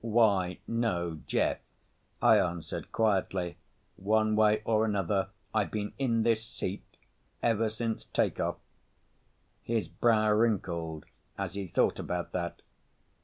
"Why no, Jeff," I answered quietly. "One way or another, I've been in this seat ever since take off." His brow wrinkled as he thought about that.